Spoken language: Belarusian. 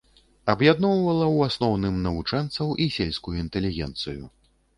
Аб'ядноўвала ў асноўным навучэнцаў і сельскую інтэлігенцыю.